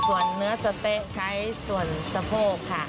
ส่วนเนื้อสะเต๊ะใช้ส่วนสะโพกค่ะ